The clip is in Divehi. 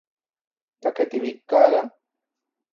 ތަކެތި ވިއްކާލަން